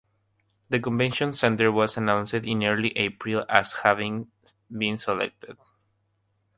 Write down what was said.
The Convention Centre was announced in early April as having been selected.